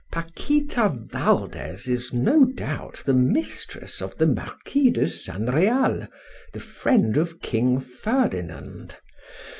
"Paquita Valdes is, no doubt, the mistress of the Marquis de San Real, the friend of King Ferdinand.